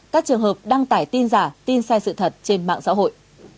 các trường hợp đăng tải tin giả tin sai sự thật trên mạng xã hội